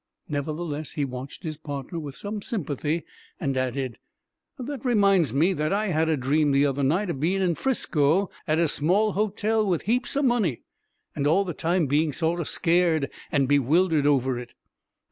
Nevertheless, he watched his partner with some sympathy, and added, "That reminds me that I had a dream the other night of being in 'Frisco at a small hotel, with heaps o' money, and all the time being sort o' scared and bewildered over it."